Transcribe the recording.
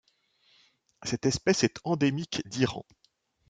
Cette espèce est endémique d'Iran.